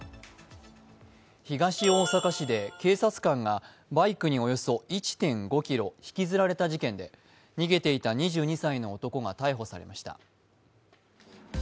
東大阪市で警察官がバイクでおよそ１．５ｋｍ引きずられた事件で逃げていた２２歳の男が逮捕されました。